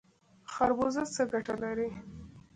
خربوزه څه ګټه لري؟